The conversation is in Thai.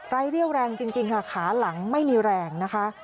เรี่ยวแรงจริงค่ะขาหลังไม่มีแรงนะคะ